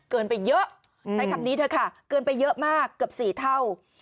ไปเยอะใช้คำนี้เถอะค่ะเกินไปเยอะมากเกือบ๔เท่า